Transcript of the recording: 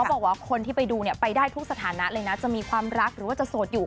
บอกว่าคนที่ไปดูเนี่ยไปได้ทุกสถานะเลยนะจะมีความรักหรือว่าจะโสดอยู่